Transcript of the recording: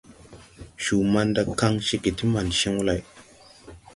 Cuu manda kaŋ ceege ti man cew lay.